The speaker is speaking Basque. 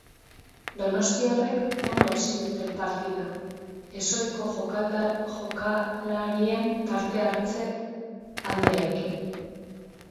Donostiarrek ondo hasi dute partida, ez ohiko jokalarien parte hartze handiarekin.